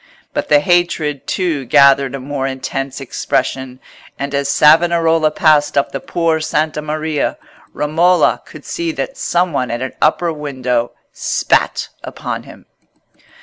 But the hatred, too, gathered a more intense expression; and as Savonarola passed up the Por' Santa Maria, Romola could see that some one at an upper window spat upon him.